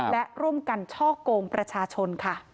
และร่วมกันช่อกงประชาชนค่ะ